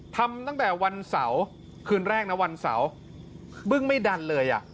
ทำตั้งแต่วันเสาร์คืนแรกนะวันเสาร์